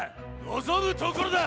のぞむところだ！